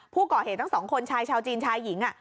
ผู้ก่อเหตุทั้งสองคนชายชาวจีนชายหญิง